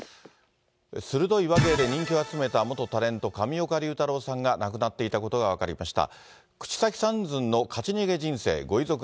鋭い話芸で人気を集めた元タレント、上岡龍太郎さんが亡くなっていたことが分かりました。